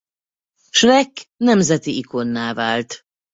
Shrek nemzeti ikonná vált.